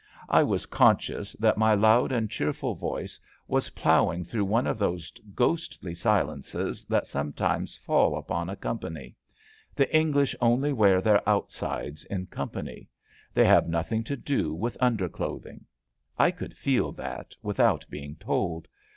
I was conscious that my loud and cheerful voice was ploughing through one of those ghostly silences that some times fall upon a company. The English only wear their outsides in company. They have noth ing to do with underclothing. I could feel that without being told.